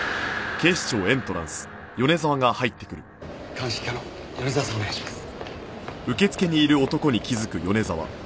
鑑識課の米沢さんをお願いします。